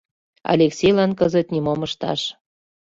Алексейлан кызыт нимом ышташ.